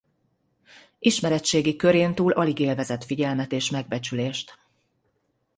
Ismeretségi körén túl alig élvezett figyelmet és megbecsülést.